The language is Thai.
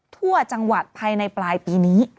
ทั่วจังหวัดภายในปลายปีนี้